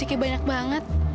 kayaknya banyak banget